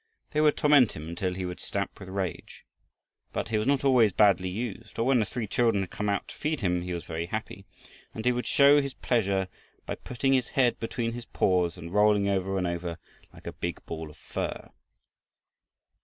They would torment him until he would stamp with rage. But he was not always badly used, for when the three children would come out to feed him, he was very happy, and he would show his pleasure by putting his head between his paws and rolling over and over like a big ball of fur.